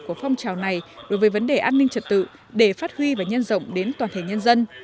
của phong trào này đối với vấn đề an ninh trật tự để phát huy và nhân rộng đến toàn thể nhân dân